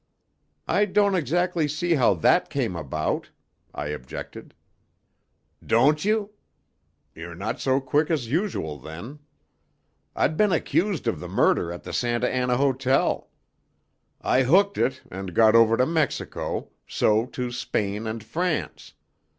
"I don't exactly see how that came about," I objected. "Don't you? You're not so quick as usual, then. I'd been accused of the murder at the Santa Anna Hotel. I hooked it, and got over to Mexico, so to Spain and France.